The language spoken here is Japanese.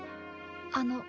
あの。